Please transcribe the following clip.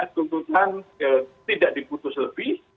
tuntutan tidak diputus lebih